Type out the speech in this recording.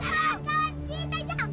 itu kan kawan kita jang